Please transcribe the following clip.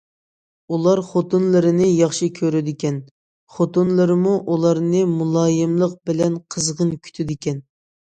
ئۇلار خوتۇنلىرىنى ياخشى كۆرىدىكەن، خوتۇنلىرىمۇ ئۇلارنى مۇلايىملىق بىلەن قىزغىن كۈتىدىكەن.